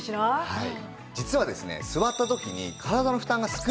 はい。